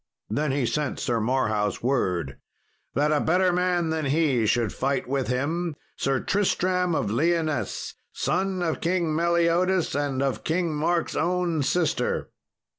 Then he sent Sir Marhaus word, "That a better man than he should fight with him, Sir Tristram of Lyonesse, son of King Meliodas and of King Mark's own sister."